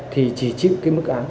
thì chỉ trích mức án